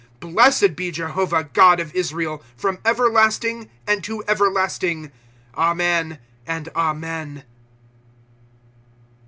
Blessed be Jehovah, God of Israel, pkom everlasting, and to everlasting. Amen and Amen.